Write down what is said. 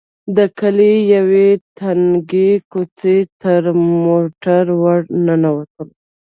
د کلي يوې تنګې کوڅې ته موټر ور ننوتلو.